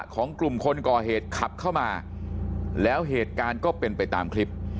ของกลุ่มคนก่อเหตุขับเข้ามาแล้วเหตุการณ์ก็เป็นไปตามคลิป